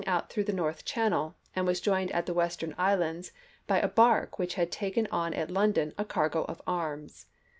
m. out through the North Channel and was joined at the Western Islands by a bark which had taken on at London a cargo of arms.